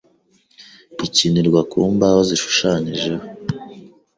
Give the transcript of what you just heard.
ikinirwa ku mbaho zishushanyijeho,